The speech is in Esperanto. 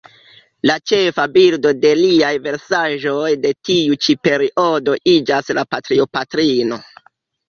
La ĉefa bildo de liaj versaĵoj de tiu ĉi periodo iĝas la Patrio-patrino.